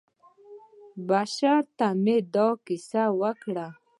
بشرا ته مې دا کیسه وکړه.